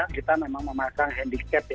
kita memang memasang handicap ya